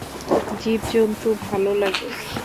জীবজন্তু ভালো লাগে?